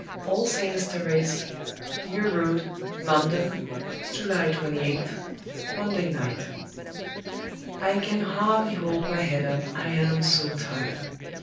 "All Saints' Terrace, New Road, London, July 28th, Monday night. I can hardly hold my head up, I am so tired.